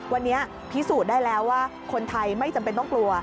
วันนี้พิสูจน์ได้แล้วว่าคนไทยไม่จำเป็นต้องกลัว